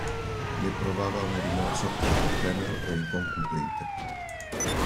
Ne provava un rimorso acuto, tenero e inconcludente.